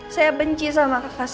kayaknya ada yang kayak ward